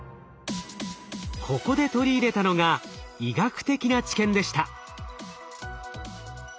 ここで取り入れたのが医学的な知見でした。